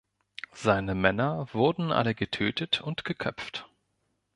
Seine Männer wurden alle getötet und geköpft.